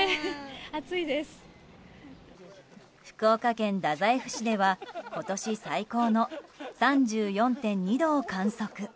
福岡県太宰府市では今年最高の３４．２度を観測。